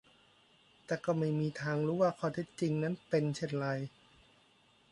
แต่ก็ไม่มีทางรู้ว่าข้อเท็จจริงนั้นเป็นเช่นไร